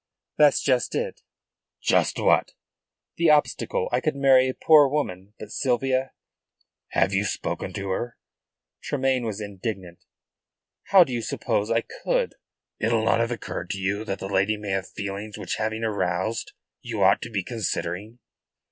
"That's just it." "Just what?" "The obstacle. I could marry a poor woman. But Sylvia " "Have you spoken to her?" Tremayne was indignant. "How do you suppose I could?" "It'll not have occurred to you that the lady may have feelings which having aroused you ought to be considering?"